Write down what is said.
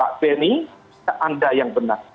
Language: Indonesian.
pak beni anda yang benar